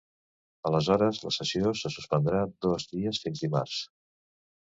Aleshores la sessió se suspendrà dos dies, fins dimarts.